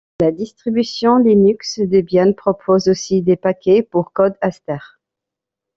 La distribution Linux Debian propose aussi des paquets pour Code_Aster.